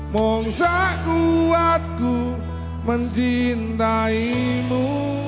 mongsa kuatku mencintaimu